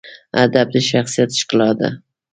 ادب د شخصیت ښکلا ده.